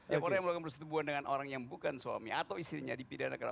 yang orang yang melakukan persetubuhan dengan orang yang bukan suami atau istrinya dipidana karena